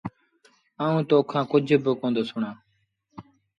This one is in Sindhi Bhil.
آئوٚݩ تو کآݩ ڪجھ با ڪوندو سُڻآݩ۔